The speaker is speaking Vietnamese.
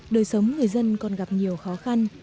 đời sống người dân còn gặp nhiều khó khăn